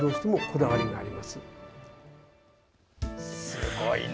すごいな。